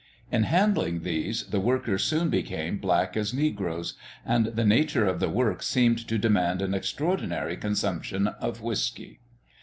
In handling these, the workers soon became black as negroes; and the nature of the work seemed to demand an extraordinary consumption of whiskey.